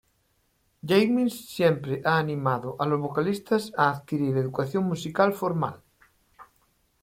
James siempre ha animado a los vocalistas a adquirir educación musical formal.